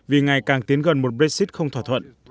vì ngày càng tiến gần một brexit không thỏa thuận